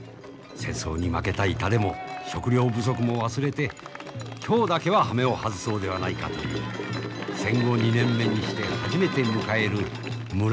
戦争に負けた痛手も食糧不足も忘れて今日だけははめを外そうではないかという戦後２年目にして初めて迎える村を挙げての一大イベント。